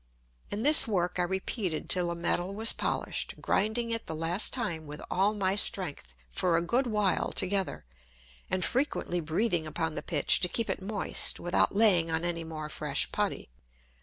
And this Work I repeated till the Metal was polished, grinding it the last time with all my strength for a good while together, and frequently breathing upon the Pitch, to keep it moist without laying on any more fresh Putty.